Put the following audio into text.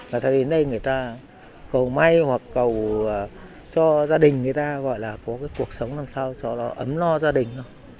và thay đến đây người ta cầu may hoặc cầu cho gia đình người ta gọi là có cái cuộc sống làm sao cho nó ấm lo gia đình